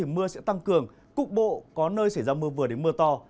mưa sẽ tăng cường cục bộ có nơi xảy ra mưa vừa đến mưa to